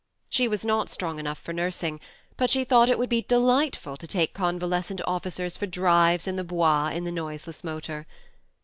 She was not strong enough for nursing, but she thought it would be delightful to take convalescent officers for drives in the Bois in the noiseless motor.